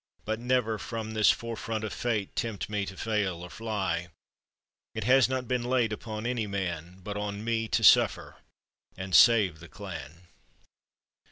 But never from this fore front of fate Tempt me to fail or fly; It has not been laid upon any man, But on me to suffer and save the clan.